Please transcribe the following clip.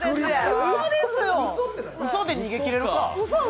うそで逃げきれるか。